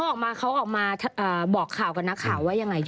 ออกมาเขาออกมาบอกข่าวกับนักข่าวว่ายังไง